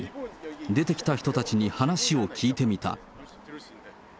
出てきた人たちに話を聞いてみた。